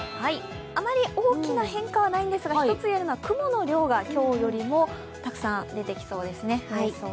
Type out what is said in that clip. あまり大きな変化はないんですが、一つ言えるのは雲の量が今日よりもたくさん出てきそうですね。